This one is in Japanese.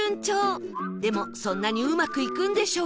でもそんなにうまくいくんでしょうか？